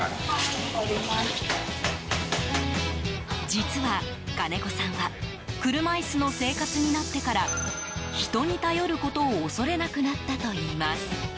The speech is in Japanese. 実は、金子さんは車椅子の生活になってから人に頼ることを恐れなくなったといいます。